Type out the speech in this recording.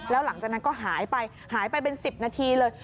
แล้วหลังจากนั้นก็หายไปหายไปเป็น๑๐นาทีเลย